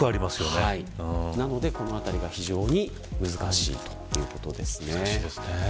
なのでこのあたりが非常に難しいということです。